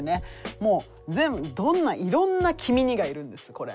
もう全部どんないろんな「きみに」がいるんですこれ。